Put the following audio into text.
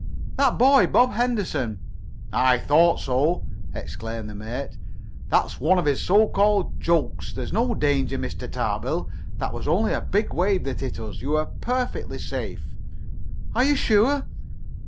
"That boy, Bob Henderson." "I thought so!" exclaimed the mate. "That's one of his so called 'jokes.' There's no danger, Mr. Tarbill. That was only a big wave that hit us. You are perfectly safe." "Are you sure?"